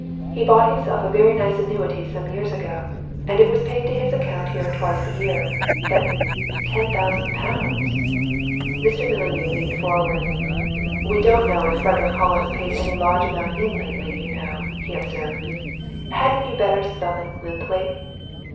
He bought himself a very nice annuity some years ago it was paid into his account here twice a year. But ten thousand pounds!" Mr. Mullineau leaned forward. "We don't know if Frederick Hollis paid any large amount in lately, you know," he observed. "Hadn't you better summon Linthwaite?"